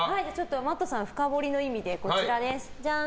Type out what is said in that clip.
Ｍａｔｔさん深掘りの意味でこちらです。